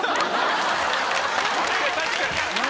確かに。